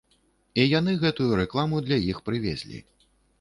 І яны гэтую рэкламу для іх прывезлі.